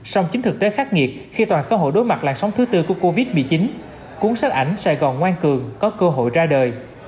song chính thực tế khắc nghiệt khi toàn xã hội đối mặt làn sóng thứ tư của covid một mươi chín cuốn sách ảnh sài gòn ngoan cường có cơ hội ra đời